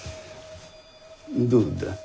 どうだ？